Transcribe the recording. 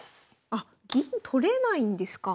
あっ銀取れないんですか。